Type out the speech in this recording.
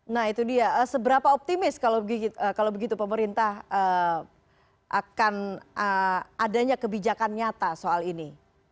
nah itu dia seberapa optimis kalau begitu pemerintah akan adanya kebijakan nyata soal ini